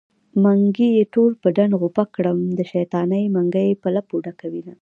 منګي يې ټول په ډنډ غوپه کړم د شيطانۍ منګی په لپو ډکوينه